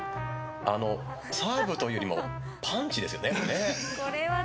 サーブというよりもパンチですよね。